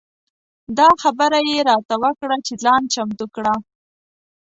دا خبره یې راته وکړه چې ځان چمتو کړه.